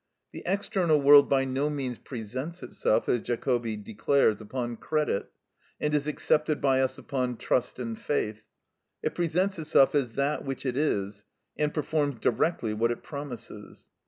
The external world by no means presents itself, as Jacobi declares, upon credit, and is accepted by us upon trust and faith. It presents itself as that which it is, and performs directly what it promises.